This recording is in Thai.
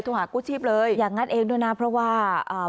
หากู้ชีพเลยอย่างนั้นเองด้วยนะเพราะว่าอ่า